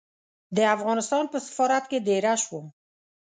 د افغانستان په سفارت کې دېره شوم.